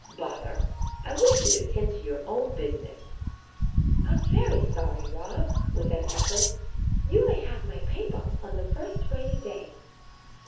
"Bother! I wish you 'd attend to your own business." "I 'm very sorry, Rob," with an effort. "You may have my paint box on the first rainy day."